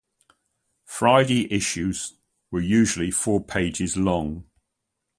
Friday issues were usually four pages long.